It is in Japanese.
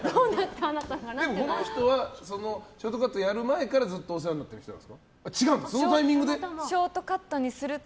この人はショートカットやる前からずっとお世話になっている人なんですか？